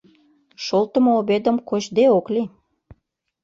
Шолтымо обедым кочде ок лий